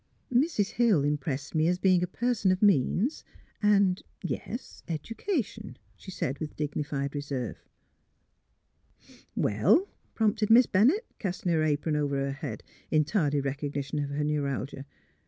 *' Mrs. Hill impressed me as being a person of 186 THE HEART OF PHILURA means, and — yes, education, '' slie said, with digni fied reserve. *' Well? " prompted Miss Bennett, easting her apron over her head in tardy recognition of her neuralgia.